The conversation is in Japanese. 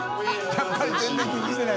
やっぱり全然気にしてない。